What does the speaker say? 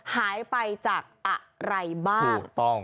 หายไปจากอะไรบ้าง